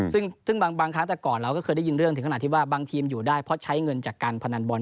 ซึ่งบางครั้งแต่ก่อนเราก็เคยได้ยินเรื่องถึงขนาดที่ว่าบางทีมอยู่ได้เพราะใช้เงินจากการพนันบอล